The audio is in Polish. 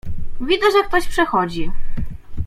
"Widzę, że ktoś przechodzi."